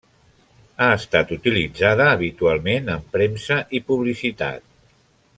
Ha estat utilitzada habitualment en premsa i publicitat.